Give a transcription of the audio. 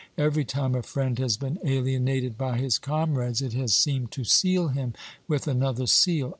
Every time a friend has been alienated by his comrades, it has seemed to seal him with another seal.